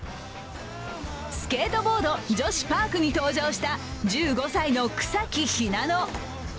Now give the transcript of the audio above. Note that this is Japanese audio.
スケートボード女子パークに登場した１５歳の草木ひなの。